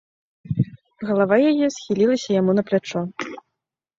Галава яе схілілася яму на плячо.